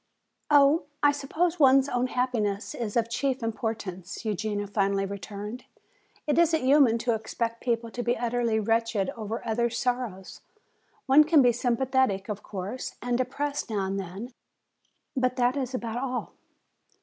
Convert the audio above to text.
"Oh, I suppose one's own happiness is of chief importance," Eugenia finally returned. "It isn't human to expect people to be utterly wretched over others' sorrows. One can be sympathetic, of course, and depressed now and then, but that is about all."